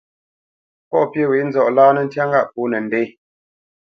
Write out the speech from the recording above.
Pɔ̂ pyê wě nzɔʼ láánǝ́ ntyá ŋgâʼ pōnǝ ndě.